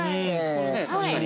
◆確かに。